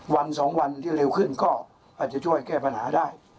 วันสองวันที่เร็วขึ้นก็อาจจะช่วยแก้ปัญหาได้